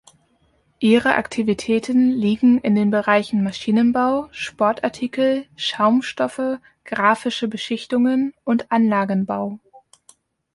Ihre Aktivitäten liegen in den Bereichen Maschinenbau, Sportartikel, Schaumstoffe, grafische Beschichtungen und Anlagenbau.